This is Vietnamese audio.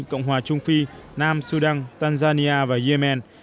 cộng hòa trung phi nam sudan tanzania và yemen